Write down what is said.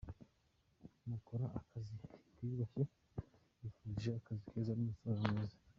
Mukora akazi kiyubashye mbifurije akazi keza , n’umusaruro mwiza.